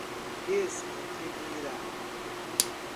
lhes atribuirá